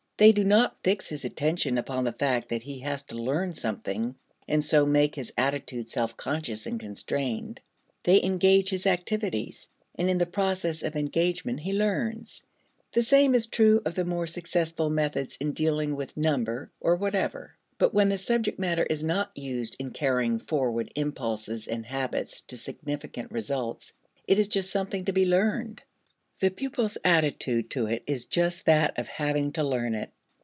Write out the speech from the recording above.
They do not fix his attention upon the fact that he has to learn something and so make his attitude self conscious and constrained. They engage his activities, and in the process of engagement he learns: the same is true of the more successful methods in dealing with number or whatever. But when the subject matter is not used in carrying forward impulses and habits to significant results, it is just something to be learned. The pupil's attitude to it is just that of having to learn it.